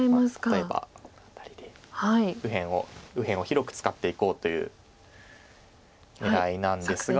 例えばこの辺りで右辺を広く使っていこうという狙いなんですが。